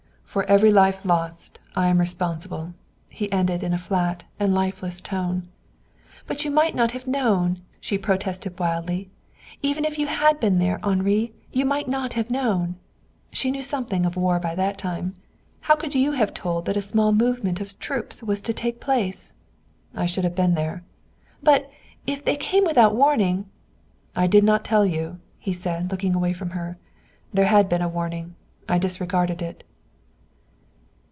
"For every life lost I am responsible," he ended in a flat and lifeless tone. "But you might not have known," she protested wildly. "Even if you had been there, Henri, you might not have known." She knew something of war by that time. "How could you have told that a small movement of troops was to take place?" "I should have been there." "But if they came without warning?" "I did not tell you," he said, looking away from her. "There had been a warning. I disregarded it."